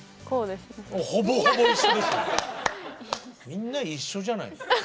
みんな一緒じゃない。